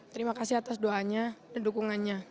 terima kasih atas doanya dan dukungannya